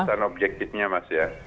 nah itu adalah objektifnya mas ya